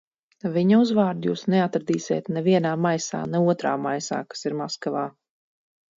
Viņa uzvārdu jūs neatradīsiet ne vienā maisā, ne otrā maisā, kas ir Maskavā.